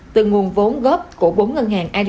từ nguồn vốn góp của bốn ngân hàng